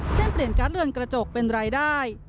เช่นเปลี่ยนการ์ดเรือนกระจกเป็นรายได้